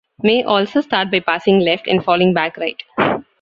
May also start by passing left and falling back right.